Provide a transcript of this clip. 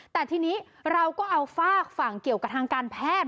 แต่ทีนี้เราก็เอาฝากฝั่งเกี่ยวกับทางการแพทย์